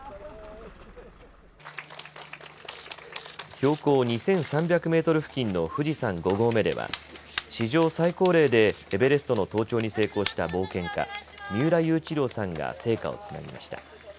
標高２３００メートル付近の富士山５合目では史上最高齢でエベレストの登頂に成功した冒険家、三浦雄一郎さんが聖火をつなぎました。